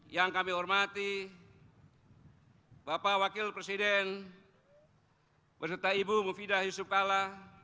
yang kami hormati bapak wakil presiden berserta ibu mufidah yusuf kala